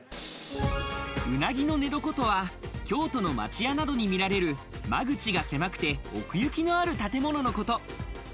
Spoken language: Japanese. うなぎの寝床とは、京都の町屋などに見られる間口が狭くて、奥行きのある建物のこと。